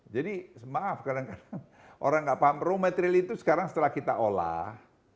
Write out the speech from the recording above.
maaf kadang kadang orang nggak paham raw material itu sekarang setelah kita olah